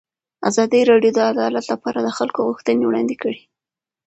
ازادي راډیو د عدالت لپاره د خلکو غوښتنې وړاندې کړي.